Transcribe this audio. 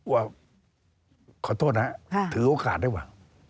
ว่าขอโทษนะถือโอกาสได้ว่ะ